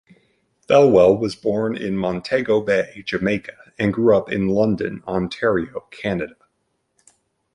Thelwell was born in Montego Bay, Jamaica and grew up in London, Ontario, Canada.